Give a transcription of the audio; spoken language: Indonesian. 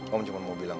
om cuman mau bilang